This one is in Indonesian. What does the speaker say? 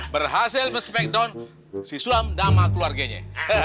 berhasil mespek don si sulam dan keluarganya